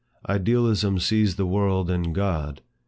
Idealism sees the world in God.